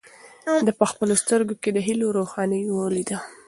ده په خپلو سترګو کې د هیلو روښنايي ولیده.